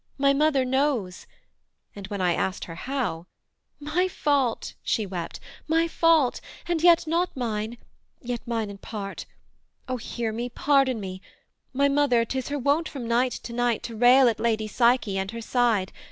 My mother knows:' and when I asked her 'how,' 'My fault' she wept 'my fault! and yet not mine; Yet mine in part. O hear me, pardon me. My mother, 'tis her wont from night to night To rail at Lady Psyche and her side.